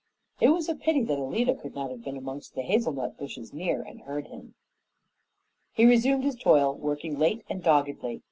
'" It was a pity that Alida could not have been among the hazelnut bushes near and heard him. He resumed his toil, working late and doggedly.